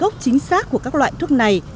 trên gốc chính xác của các loại thuốc này